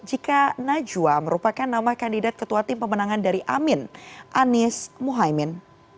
jika najwa merupakan nama kandidat ketua tim pemenangan dari amin anies muhaymin